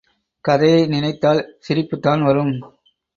கதையை நினைத்தால் சிரிப்புத்தான் வரும்.